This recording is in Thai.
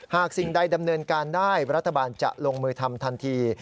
สิ่งใดดำเนินการได้รัฐบาลจะลงมือทำทันที